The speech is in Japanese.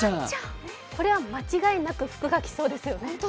これは間違いなく福が来そうですよね。